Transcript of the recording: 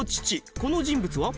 この人物は？